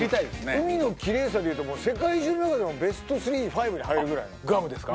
海のきれいさでいうともう世界中の中でもベスト３５に入るぐらいのグアムですか？